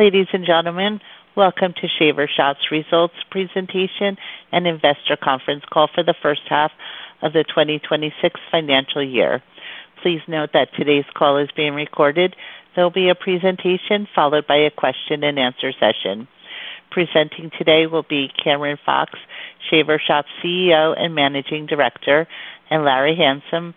Ladies and gentlemen, welcome to Shaver Shop's Results Presentation and Investor Conference Call for the first half of the 2026 financial year. Please note that today's call is being recorded. There'll be a presentation followed by a question-and-answer session. Presenting today will be Cameron Fox, Shaver Shop's CEO and Managing Director, and Larry Hamson,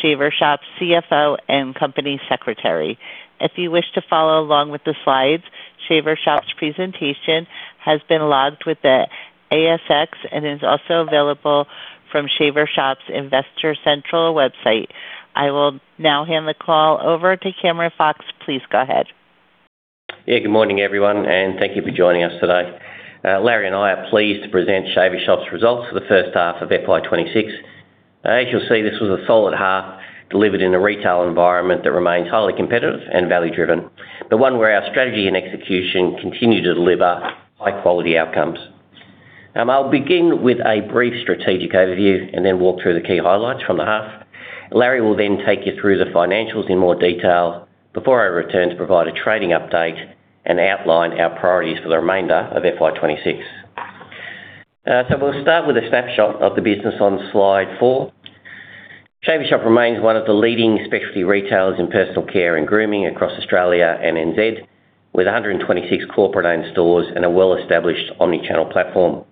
Shaver Shop's CFO and Company Secretary. If you wish to follow along with the Slides, Shaver Shop's presentation has been logged with the ASX and is also available from Shaver Shop's Investor Centre website. I will now hand the call over to Cameron Fox. Please go ahead. Good morning, everyone, thank you for joining us today. Larry and I are pleased to present Shaver Shop's results for the first half of FY26. As you'll see, this was a solid half, delivered in a retail environment that remains highly competitive and value-driven, but one where our strategy and execution continue to deliver high-quality outcomes. I'll begin with a brief strategic overview and then walk through the key highlights from the half. Larry will then take you through the financials in more detail before I return to provide a trading update and outline our priorities for the remainder of FY26. We'll start with a snapshot of the business on Slide 4. Shaver Shop remains one of the leading specialty retailers in personal care and grooming across Australia and NZ, with 126 corporate-owned stores and a well-established omni-channel platform.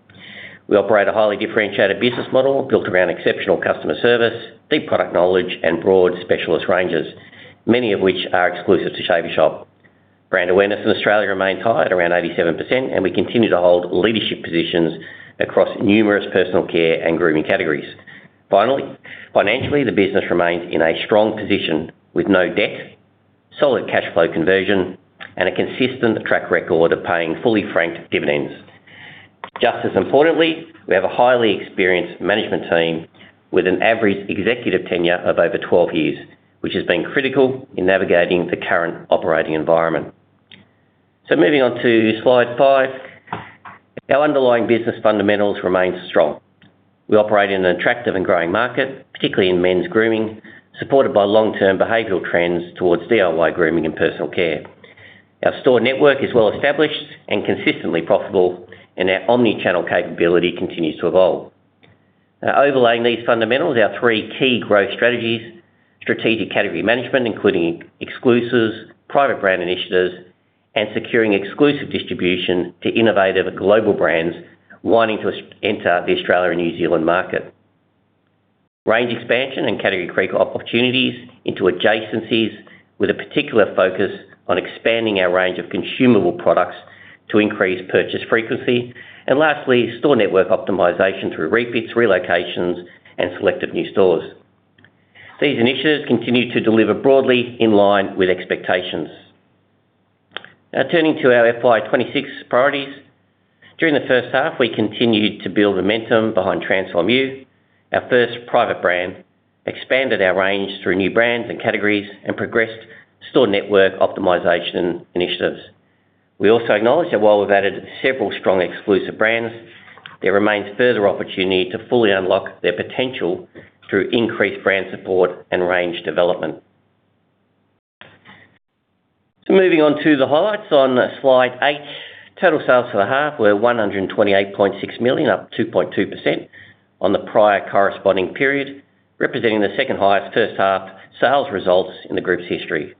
We operate a highly differentiated business model built around exceptional customer service, deep product knowledge, and broad specialist ranges, many of which are exclusive to Shaver Shop. Brand awareness in Australia remains high, at around 87%, and we continue to hold leadership positions across numerous personal care and grooming categories. Financially, the business remains in a strong position with no debt, solid cash flow conversion, and a consistent track record of paying fully franked dividends. Just as importantly, we have a highly experienced management team with an average executive tenure of over 12 years, which has been critical in navigating the current operating environment. Moving on to Slide 5. Our underlying business fundamentals remain strong. We operate in an attractive and growing market, particularly in men's grooming, supported by long-term behavioral trends towards DIY grooming and personal care. Our store network is well-established and consistently profitable, our omni-channel capability continues to evolve. Overlaying these fundamentals, our three key growth strategies, strategic category management, including exclusives, private brand initiatives, and securing exclusive distribution to innovative global brands wanting to enter the Australia and New Zealand market. Range expansion and category create opportunities into adjacencies, with a particular focus on expanding our range of consumable products to increase purchase frequency. Lastly, store network optimization through refits, relocations, and selected new stores. These initiatives continue to deliver broadly in line with expectations. Turning to our FY26 priorities. During the first half, we continued to build momentum behind Transform-U, our first private brand, expanded our range through new brands and categories, and progressed store network optimization initiatives. We also acknowledge that while we've added several strong exclusive brands, there remains further opportunity to fully unlock their potential through increased brand support and range development. Moving on to the highlights on Slide 8. Total sales for the half were 128.6 million, up 2.2% on the prior corresponding period, representing the second highest first half sales results in the group's history.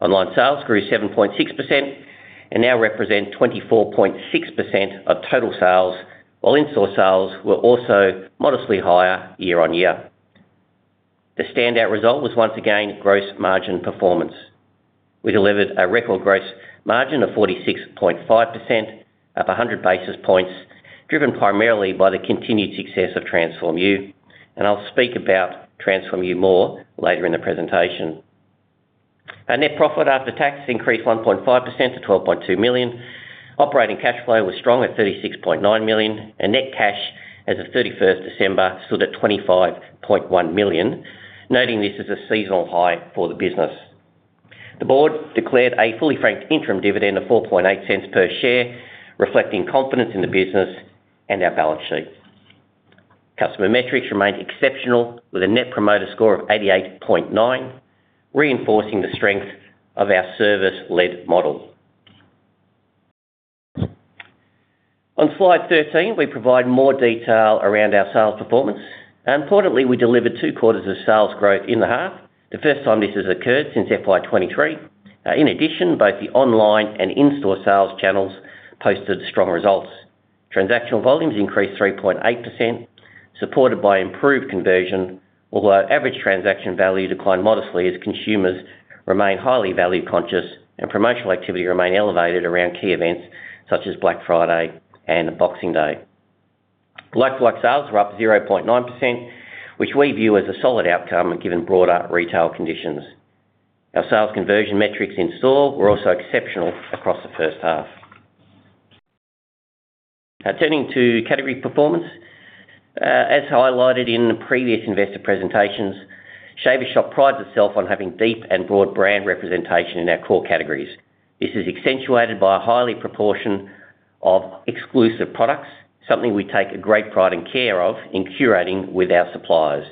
Online sales grew 7.6% and now represent 24.6% of total sales, while in-store sales were also modestly higher year on year. The standout result was once again gross margin performance. We delivered a record gross margin of 46.5%, up 100 basis points, driven primarily by the continued success of Transform-U, and I'll speak about Transform-U more later in the presentation. Our net profit after tax increased 1.5% to 12.2 million. Operating cash flow was strong at 36.9 million, net cash as of 31st December stood at 25.1 million, noting this is a seasonal high for the business. The board declared a fully franked interim dividend of 0.048 per share, reflecting confidence in the business and our balance sheet. Customer metrics remained exceptional, with a Net Promoter Score of 88.9, reinforcing the strength of our service-led model. On Slide 13, we provide more detail around our sales performance, importantly, we delivered two quarters of sales growth in the half, the first time this has occurred since FY23. In addition, both the online and in-store sales channels posted strong results. Transactional volumes increased 3.8%, supported by improved conversion, although average transaction value declined modestly as consumers remain highly value conscious and promotional activity remain elevated around key events such as Black Friday and Boxing Day. Like-for-like, sales were up 0.9%, which we view as a solid outcome given broader retail conditions. Our sales conversion metrics in-store were also exceptional across the first half. Now, turning to category performance. As highlighted in the previous investor presentations, Shaver Shop prides itself on having deep and broad brand representation in our core categories. This is accentuated by a highly proportion of exclusive products, something we take great pride and care of in curating with our suppliers.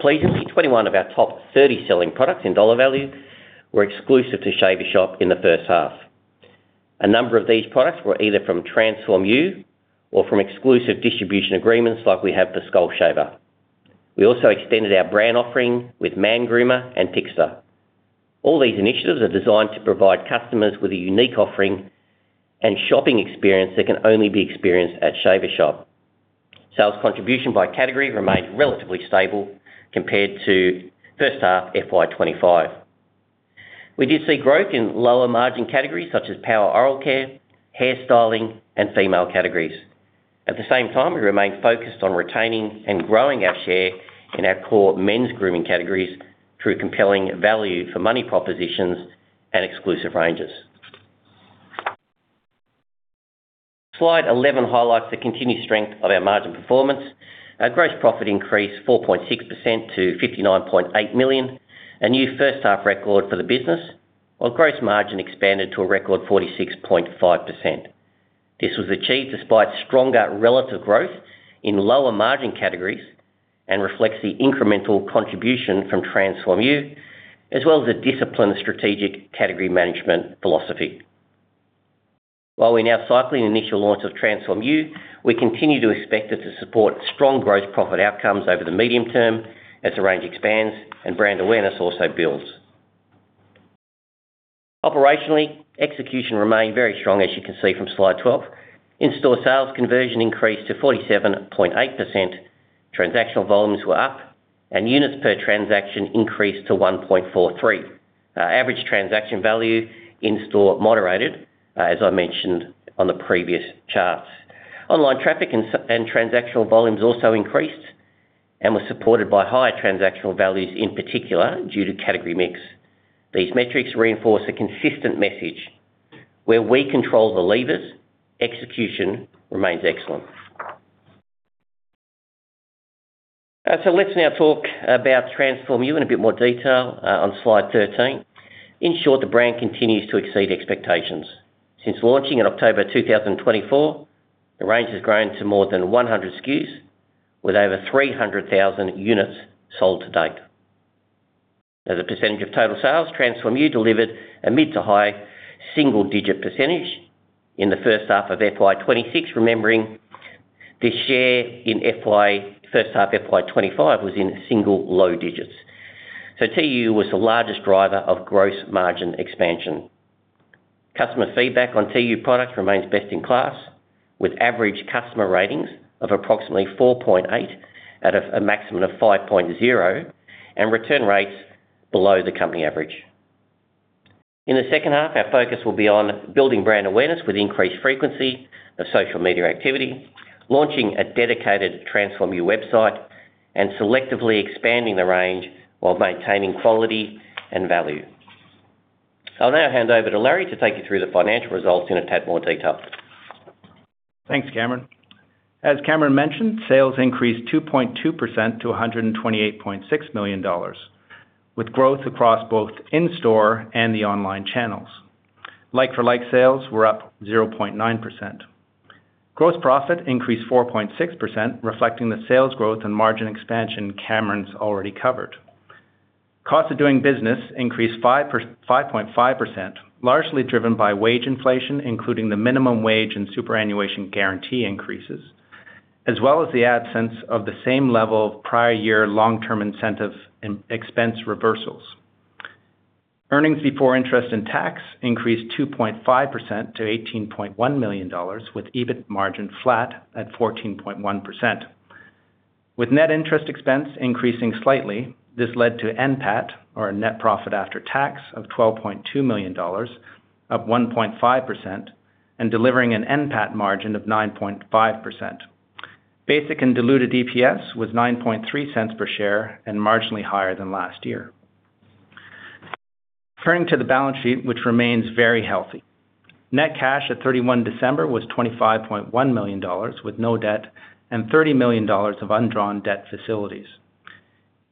Pleasingly, 21 of our top 30 selling products in dollar value were exclusive to Shaver Shop in the first half. A number of these products were either from Transform-U or from exclusive distribution agreements like we have for Skull Shaver. We also extended our brand offering with Mangroomer and Pixer. All these initiatives are designed to provide customers with a unique offering and shopping experience that can only be experienced at Shaver Shop. Sales contribution by category remained relatively stable compared to first half FY25. We did see growth in lower margin categories such as power oral care, hair styling, and female categories. The same time, we remain focused on retaining and growing our share in our core men's grooming categories through compelling value for money propositions and exclusive ranges. Slide 11 highlights the continued strength of our margin performance. Our gross profit increased 4.6% to 59.8 million, a new first half record for the business, while gross margin expanded to a record 46.5%. This was achieved despite stronger relative growth in lower margin categories and reflects the incremental contribution from Transform-U, as well as a disciplined strategic category management philosophy. We're now cycling the initial launch of Transform-U, we continue to expect it to support strong gross profit outcomes over the medium term as the range expands and brand awareness also builds. Operationally, execution remained very strong, as you can see from Slide 12. In-store sales conversion increased to 47.8%, transactional volumes were up, and units per transaction increased to 1.43. Average transaction value in-store moderated, as I mentioned on the previous charts. Online traffic and transactional volumes also increased and were supported by higher transactional values, in particular, due to category mix. These metrics reinforce a consistent message: where we control the levers, execution remains excellent. Let's now talk about Transform-U in a bit more detail on Slide 13. In short, the brand continues to exceed expectations. Since launching in October 2024, the range has grown to more than 100 SKUs, with over 300,000 units sold to date. As a % of total sales, Transform-U delivered a mid to high single-digit % in the first half of FY26, remembering the share in first half FY25 was in single low digits. TU was the largest driver of gross margin expansion. Customer feedback on TU products remains best-in-class, with average customer ratings of approximately 4.8 out of a maximum of 5.0, and return rates below the company average. In the second half, our focus will be on building brand awareness with increased frequency of social media activity, launching a dedicated Transform-U website, and selectively expanding the range while maintaining quality and value. I'll now hand over to Larry to take you through the financial results in a tad more detail. Thanks, Cameron. As Cameron mentioned, sales increased 2.2% to 128.6 million dollars, with growth across both in-store and the online channels. Like-for-like sales were up 0.9%. Gross profit increased 4.6%, reflecting the sales growth and margin expansion Cameron's already covered. Cost of doing business increased 5.5%, largely driven by wage inflation, including the minimum wage and superannuation guarantee increases, as well as the absence of the same level of prior year long-term incentive and expense reversals. Earnings before interest and tax increased 2.5% to 18.1 million dollars, with EBIT margin flat at 14.1%. With net interest expense increasing slightly, this led to NPAT, or a net profit after tax, of 12.2 million dollars, up 1.5%, and delivering an NPAT margin of 9.5%. Basic and diluted EPS was 0.093 per share and marginally higher than last year. Turning to the balance sheet, which remains very healthy. Net cash at December 31 was 25.1 million dollars, with no debt, and 30 million dollars of undrawn debt facilities.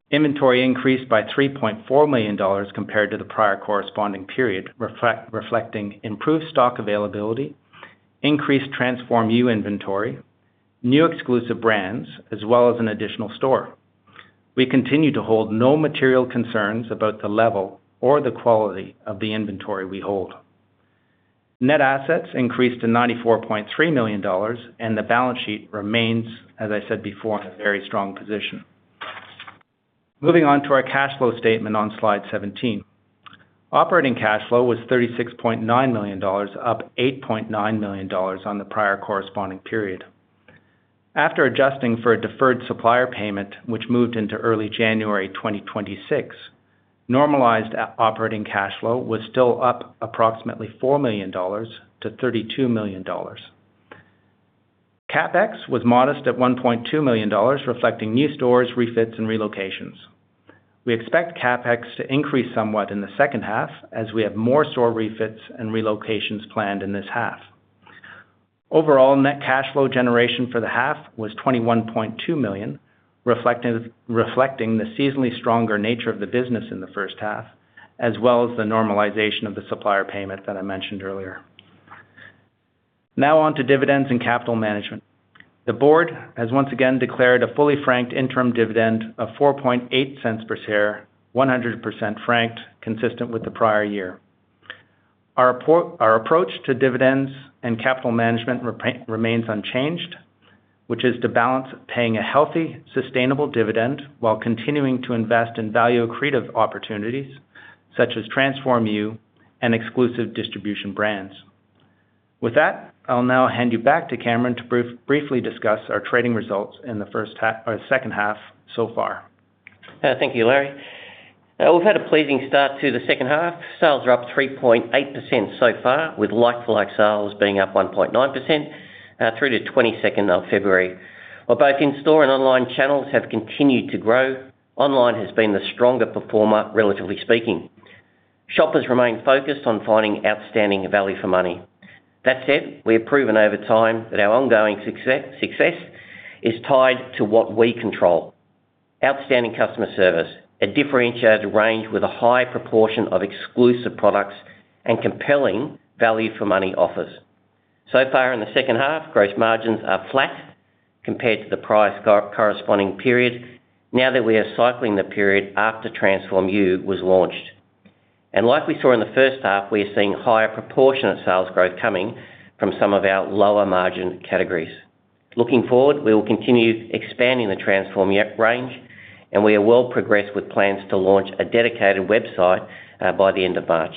Inventory increased by 3.4 million dollars compared to the prior corresponding period, reflecting improved stock availability, increased Transform-U inventory, new exclusive brands, as well as an additional store. We continue to hold no material concerns about the level or the quality of the inventory we hold. Net assets increased to 94.3 million dollars. The balance sheet remains, as I said before, in a very strong position. Moving on to our cash flow statement on Slide 17. Operating cash flow was 36.9 million dollars, up 8.9 million dollars on the prior corresponding period. After adjusting for a deferred supplier payment, which moved into early January 2026, normalized operating cash flow was still up approximately 4 million dollars to 32 million dollars. CapEx was modest at 1.2 million dollars, reflecting new stores, refits, and relocations. We expect CapEx to increase somewhat in the second half, as we have more store refits and relocations planned in this half. Overall, net cash flow generation for the half was 21.2 million, reflecting the seasonally stronger nature of the business in the first half, as well as the normalization of the supplier payment that I mentioned earlier. On to dividends and capital management. The board has once again declared a fully franked interim dividend of 0.048 per share, 100% franked, consistent with the prior year. Our approach to dividends and capital management remains unchanged, which is to balance paying a healthy, sustainable dividend while continuing to invest in value accretive opportunities such as Transform-U and exclusive distribution brands. With that, I'll now hand you back to Cameron to briefly discuss our trading results in the first half or second half so far. Thank you, Larry. We've had a pleasing start to the second half. Sales are up 3.8% so far, with like-for-like sales being up 1.9% through to 22nd of February. While both in-store and online channels have continued to grow, online has been the stronger performer, relatively speaking. Shoppers remain focused on finding outstanding value for money. That said, we have proven over time that our ongoing success is tied to what we control. Outstanding customer service, a differentiated range with a high proportion of exclusive products and compelling value for money offers. So far in the second half, gross margins are flat compared to the corresponding period, now that we are cycling the period after Transform-U was launched. Like we saw in the first half, we are seeing higher proportion of sales growth coming from some of our lower margin categories. Looking forward, we will continue expanding the Transform-U range, and we are well progressed with plans to launch a dedicated website by the end of March.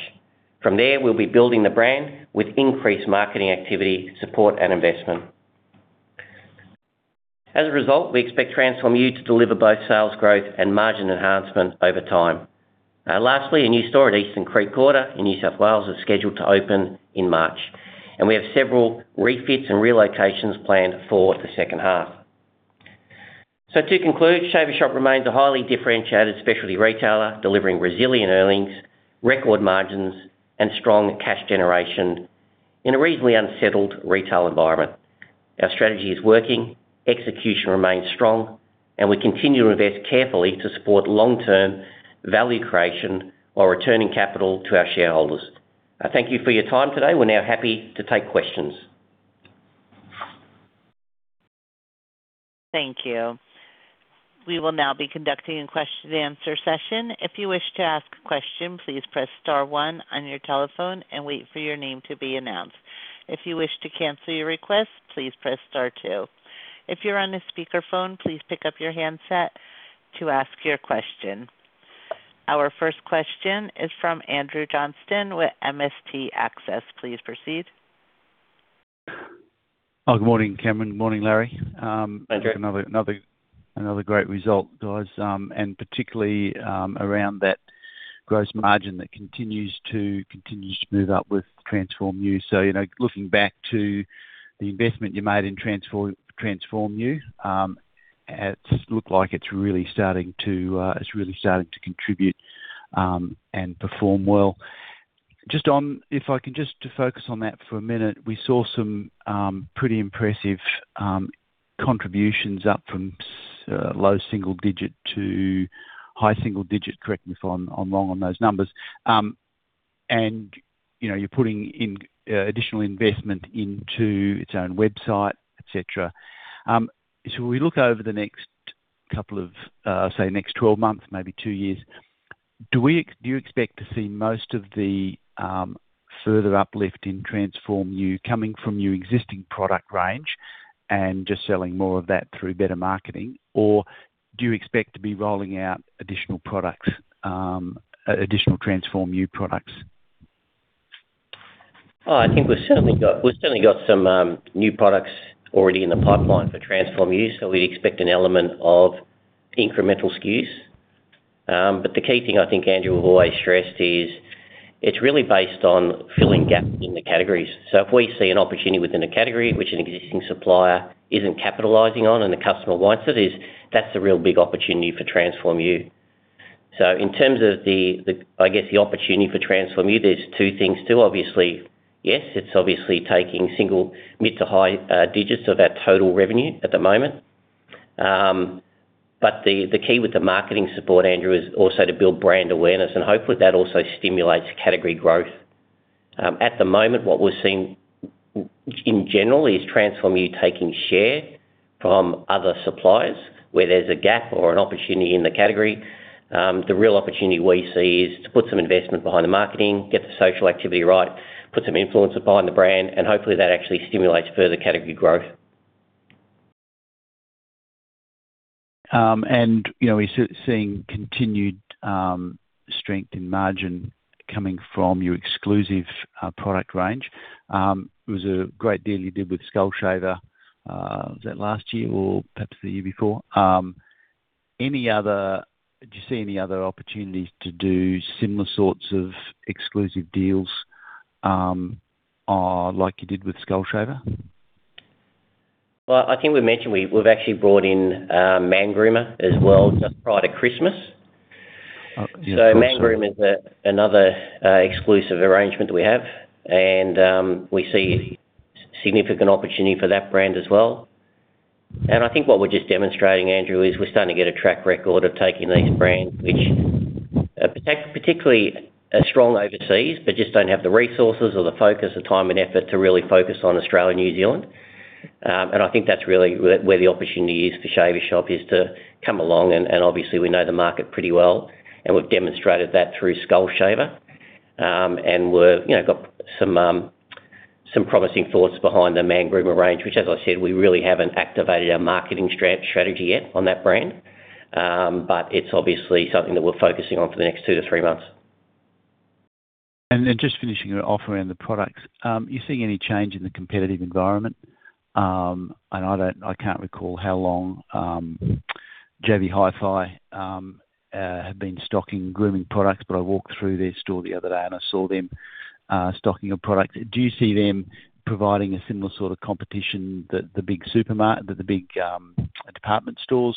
From there, we'll be building the brand with increased marketing activity, support, and investment. As a result, we expect Transform-U to deliver both sales growth and margin enhancement over time. Lastly, a new store at Eastern Creek Quarter in New South Wales is scheduled to open in March, and we have several refits and relocations planned for the second half. To conclude, Shaver Shop remains a highly differentiated specialty retailer, delivering resilient earnings, record margins, and strong cash generation in a reasonably unsettled retail environment. Our strategy is working, execution remains strong, and we continue to invest carefully to support long-term value creation while returning capital to our shareholders. I thank you for your time today. We're now happy to take questions. Thank you. We will now be conducting a question-and-answer session. If you wish to ask a question, please press star one on your telephone and wait for your name to be announced. If you wish to cancel your request, please press star two. If you're on a speakerphone, please pick up your handset to ask your question. Our first question is from Andrew Johnston with MST Access. Please proceed. Oh, good morning, Cameron. Morning, Larry. Thank you. Another great result, guys, and particularly around that gross margin that continues to move up with Transform-U. You know, looking back to the investment you made in Transform-U, it looks like it's really starting to contribute and perform well. Just on. If I can just to focus on that for a minute, we saw some pretty impressive contributions up from low single digit to high single digit. Correct me if I'm wrong on those numbers. You know, you're putting in additional investment into its own website, et cetera. We look over the next couple of, say, next 12 months, maybe 2 years, do you expect to see most of the further uplift in Transform-U coming from your existing product range and just selling more of that through better marketing? Or do you expect to be rolling out additional products, additional Transform-U products? I think we've certainly got some new products already in the pipeline for Transform-U. We expect an element of incremental SKUs. The key thing I think, Andrew, we've always stressed is it's really based on filling gaps in the categories. If we see an opportunity within a category which an existing supplier isn't capitalizing on and the customer wants it, that's a real big opportunity for Transform-U. In terms of the, I guess, the opportunity for Transform-U, there's two things too. Obviously, yes, it's obviously taking single mid to high digits of our total revenue at the moment. The key with the marketing support, Andrew, is also to build brand awareness, hopefully, that also stimulates category growth. At the moment, what we're seeing in general is Transform U taking share from other suppliers where there's a gap or an opportunity in the category. The real opportunity we see is to put some investment behind the marketing, get the social activity right, put some influencers behind the brand, and hopefully, that actually stimulates further category growth. You know, we're still seeing continued strength in margin coming from your exclusive product range. It was a great deal you did with Skull Shaver, was that last year or perhaps the year before? Do you see any other opportunities to do similar sorts of exclusive deals, like you did with Skull Shaver? I think we mentioned, we've actually brought in, Mangroomer as well, just prior to Christmas. Oh, yeah, of course. Mangroomer is another exclusive arrangement we have. We see significant opportunity for that brand as well. I think what we're just demonstrating, Andrew, is we're starting to get a track record of taking these brands, which particularly are strong overseas, but just don't have the resources or the focus or time and effort to really focus on Australia and New Zealand. I think that's really where the opportunity is for Shaver Shop, is to come along, and obviously we know the market pretty well, and we've demonstrated that through Skull Shaver. We've, you know, got some promising thoughts behind the Mangroomer range, which, as I said, we really haven't activated our marketing strategy yet on that brand. It's obviously something that we're focusing on for the next 2-3 months. Then just finishing it off around the products. Are you seeing any change in the competitive environment? I can't recall how long JB Hi-Fi have been stocking grooming products, but I walked through their store the other day, and I saw them stocking a product. Do you see them providing a similar sort of competition that the big supermarket that the big department stores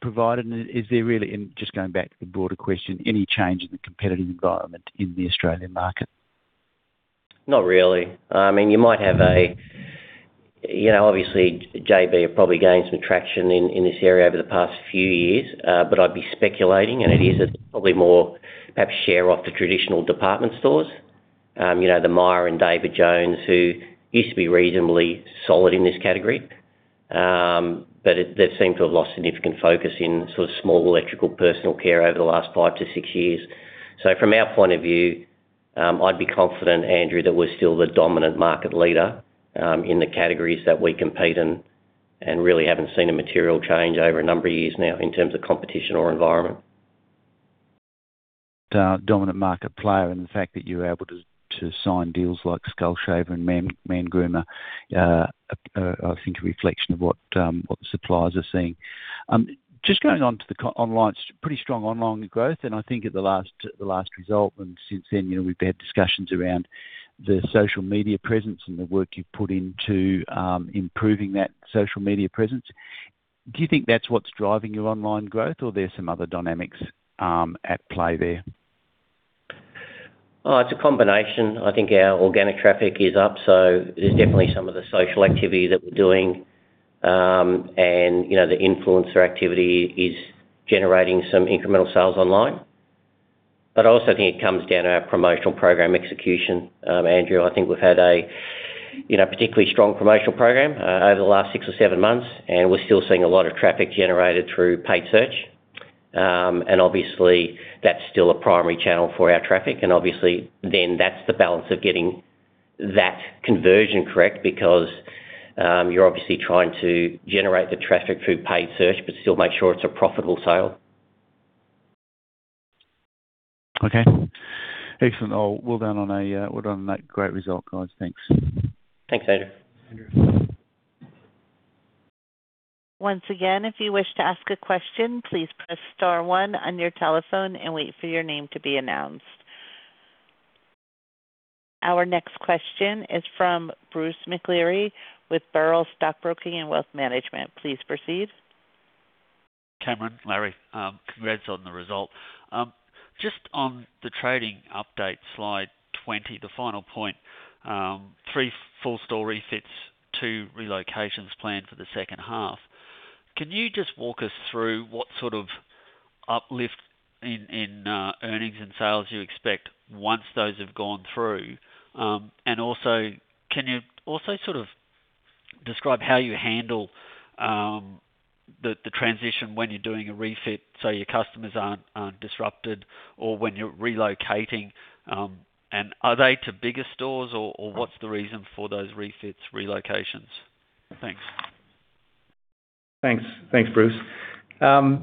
provided? Is there really, and just going back to the broader question, any change in the competitive environment in the Australian market? Not really. I mean, you know, obviously, JB have probably gained some traction in this area over the past few years, but I'd be speculating, and it is, it's probably more perhaps share off the traditional department stores. You know, the Myer and David Jones, who used to be reasonably solid in this category, but they've seemed to have lost significant focus in sort of small electrical personal care over the last 5-6 years. From our point of view, I'd be confident, Andrew, that we're still the dominant market leader, in the categories that we compete in and really haven't seen a material change over a number of years now in terms of competition or environment. Dominant market player and the fact that you're able to sign deals like Skull Shaver and Mangroomer, I think a reflection of what the suppliers are seeing. Just going on to the online, pretty strong online growth, and I think at the last, the last result, and since then, you know, we've had discussions around the social media presence and the work you've put into improving that social media presence. Do you think that's what's driving your online growth, or there are some other dynamics at play there? It's a combination. I think our organic traffic is up, so there's definitely some of the social activity that we're doing. You know, the influencer activity is generating some incremental sales online. I also think it comes down to our promotional program execution, Andrew. I think we've had a, you know, particularly strong promotional program over the last six or seven months, and we're still seeing a lot of traffic generated through paid search. Obviously, that's still a primary channel for our traffic, and obviously, then that's the balance of getting that conversion correct, because you're obviously trying to generate the traffic through paid search, but still make sure it's a profitable sale. Okay. Excellent. Well done on that great result, guys. Thanks. Thanks, Andrew. Andrew. Once again, if you wish to ask a question, please press star one on your telephone and wait for your name to be announced. Our next question is from Bruce McLeary with Burrell Stockbroking & Wealth Management. Please proceed. Cameron, Larry, congrats on the result. Just on the trading update, Slide 20, the final point, 3 full store refits, 2 relocations planned for the second half. Can you just walk us through what sort of uplift in earnings and sales you expect once those have gone through? Also, can you also sort of describe how you handle the transition when you're doing a refit so your customers aren't disrupted or when you're relocating, and are they to bigger stores or what's the reason for those refits, relocations? Thanks. Thanks. Thanks, Bruce.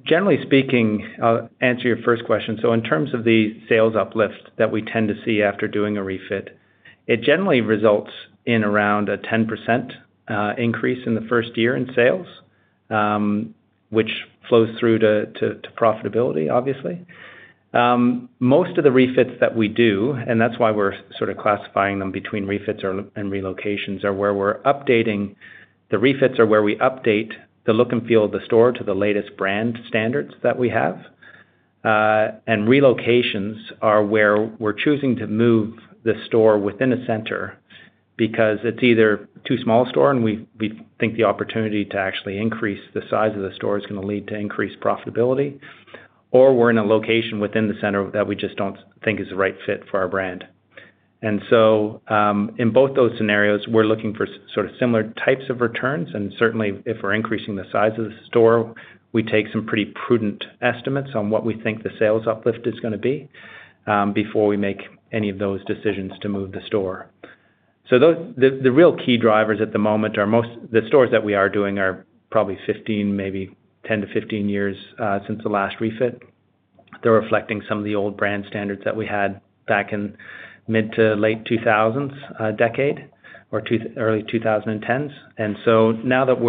generally speaking, I'll answer your first question. In terms of the sales uplift that we tend to see after doing a refit, it generally results in around a 10% increase in the first year in sales, which flows through to profitability, obviously. Most of the refits that we do, and that's why we're sort of classifying them between refits or, and relocations, are where we update the look and feel of the store to the latest brand standards that we have. Relocations are where we're choosing to move the store within a center, because it's either too small a store, and we think the opportunity to actually increase the size of the store is gonna lead to increased profitability, or we're in a location within the center that we just don't think is the right fit for our brand. In both those scenarios, we're looking for sort of similar types of returns, and certainly, if we're increasing the size of the store, we take some pretty prudent estimates on what we think the sales uplift is gonna be before we make any of those decisions to move the store. The real key drivers at the moment are the stores that we are doing are probably 15, maybe 10 to 15 years since the last refit. They're reflecting some of the old brand standards that we had back in mid to late 2000s, decade or two early 2010s. Now that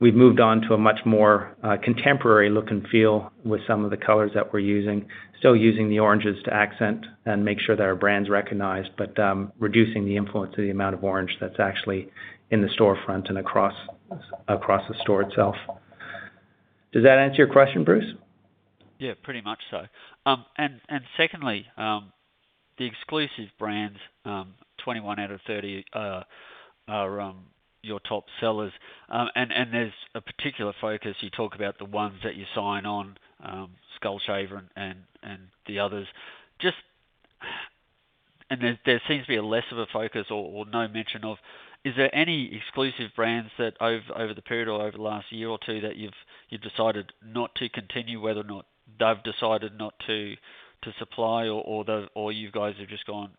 we've moved on to a much more contemporary look and feel with some of the colors that we're using. Still using the oranges to accent and make sure that our brand's recognized, but reducing the influence of the amount of orange that's actually in the storefront and across the store itself. Does that answer your question, Bruce? Yeah, pretty much so. Secondly, the exclusive brands, 21 out of 30, are your top sellers. There's a particular focus. You talk about the ones that you sign on, Skull Shaver and the others. There seems to be a less of a focus or no mention of... Is there any exclusive brands that over the period or over the last year or two, that you've decided not to continue, whether or not they've decided not to supply or you guys have just gone,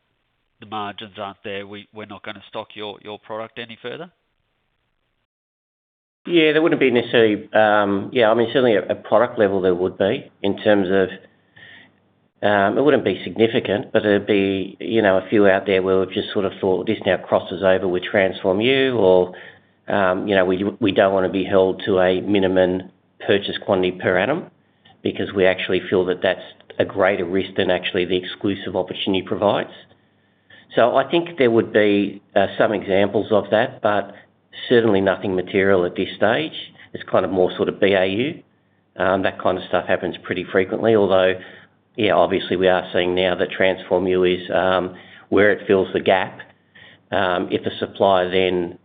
"The margins aren't there. We're not gonna stock your product any further? Yeah, there wouldn't be necessarily. Yeah, I mean, certainly at a product level, there would be in terms of, it wouldn't be significant, but it would be, you know, a few out there where we've just sort of thought this now crosses over with Transform-U or, you know, we don't wanna be held to a minimum purchase quantity per annum because we actually feel that that's a greater risk than actually the exclusive opportunity provides. I think there would be some examples of that, but certainly nothing material at this stage. It's kind of more sort of BAU. That kind of stuff happens pretty frequently. Although, yeah, obviously, we are seeing now that Transform-U is where it fills the gap. If a supplier then,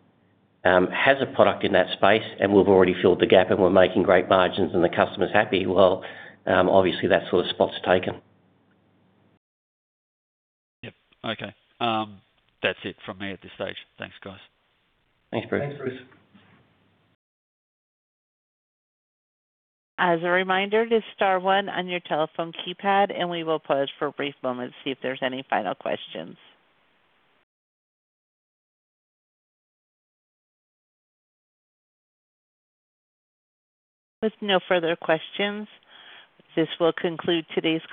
has a product in that space, and we've already filled the gap, and we're making great margins, and the customer's happy, well, obviously, that sort of spot's taken. Yep. Okay. That's it from me at this stage. Thanks, guys. Thanks, Bruce. Thanks, Bruce. As a reminder, just star 1 on your telephone keypad, we will pause for a brief moment to see if there's any final questions. With no further questions, this will conclude today's call.